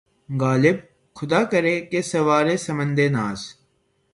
غالبؔ! خدا کرے کہ‘ سوارِ سمندِ ناز